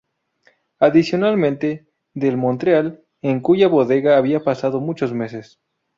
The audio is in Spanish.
Adicionalmente, del Montreal, en cuya bodega habían pasado muchos meses.